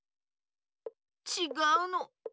ちがうの。